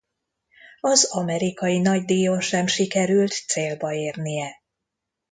Az Amerikai Nagydíjon sem sikerült célba érnie.